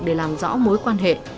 để làm rõ mối quan hệ